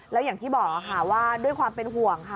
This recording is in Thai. แล้วอย่างที่บอกค่ะว่าด้วยความเป็นห่วงค่ะ